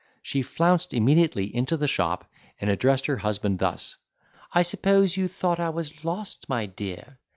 She flounced immediately into the shop, and addressed her husband thus: "I suppose you thought I was lost, my dear.